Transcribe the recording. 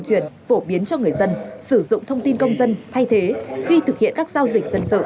truyền phổ biến cho người dân sử dụng thông tin công dân thay thế khi thực hiện các giao dịch dân sự